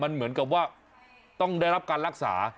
มันเหมือนกับว่าต้องได้รับการรักษา